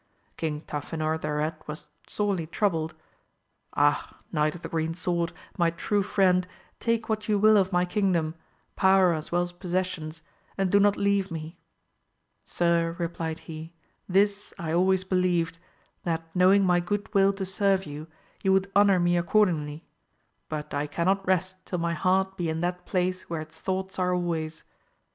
King 254 AMADI8 OF GAUL. Tafinor thereat was sorely troubled, — Ah, Eiiight of the Green Sword, my true friend, take what you will of my kingdom, power as well as possessions, and do not leave me ! Sir, replied he, this I always believed, that knowing my good will to serve you, you would honour me accordingly, but I cannot rest till my heart be in that place where its thoughts are always.